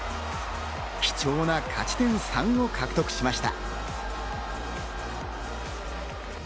貴重な勝ち点３を獲得しました。